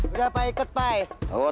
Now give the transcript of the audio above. udah ikut pak